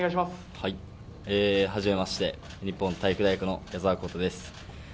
はじめまして日本体育大学の矢澤宏太です。